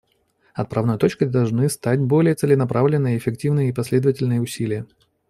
Отправной точкой должны стать более целенаправленные, эффективные и последовательные усилия.